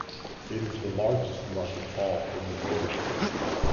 It is the largest market hall in the Nordic countries.